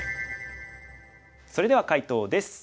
それでは解答です。